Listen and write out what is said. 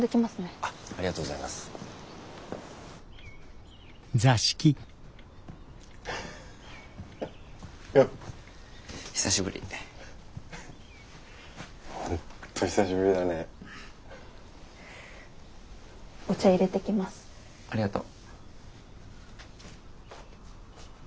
ありがとう。